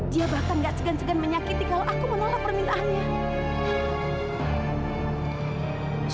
dia bahkan gak segan segan menyakiti kalau aku menolak permintaannya